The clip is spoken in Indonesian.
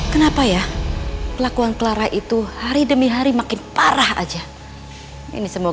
kenapa ya lakuan clara itu hari demi hari makin parah aja ini semua